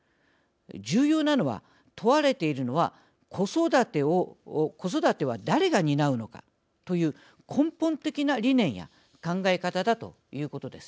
重要なのは問われているのは子育ては誰が担うのかという根本的な理念や考え方だということです。